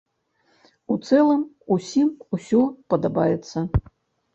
У цэлым ўсім усё падабаецца.